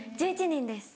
１１人です。